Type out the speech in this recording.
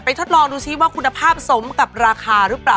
ทดลองดูซิว่าคุณภาพสมกับราคาหรือเปล่า